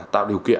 tạo điều kiện